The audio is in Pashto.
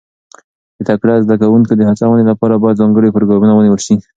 د تکړه زده کوونکو د هڅونې لپاره باید ځانګړي پروګرامونه ونیول شي.